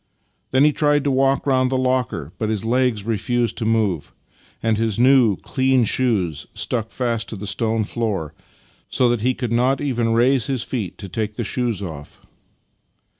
Then he tried to walk round the locker, but his legs refused to move, and his new, clean shoes stuck fast to the stone floor, so that he could not even raise his feet to take the shoes off.